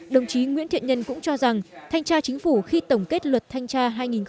đồng chí nguyễn thiện nhân cũng cho rằng thanh tra chính phủ khi tổng kết luật thanh tra hai nghìn một mươi